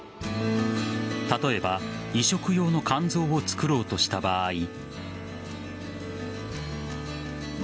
例えば移植用の肝臓を作ろうとした場合。